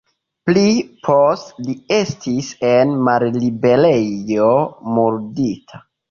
Pli poste li estis en malliberejo murdita.